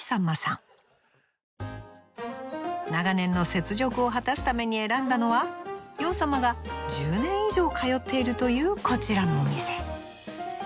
長年の雪辱を果たすために選んだのは洋さまが１０年以上通っているというこちらのお店。